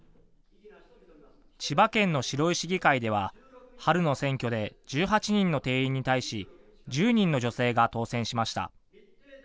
千葉県の白井市議会では春の選挙で１８人の定員に対し１０人の女性が当選しました。